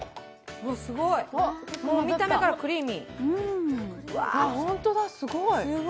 すごい、見た目からクリーミー。